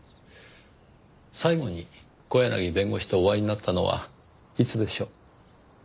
最後に小柳弁護士とお会いになったのはいつでしょう？